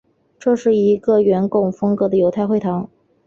这是第一个圆拱风格的犹太会堂。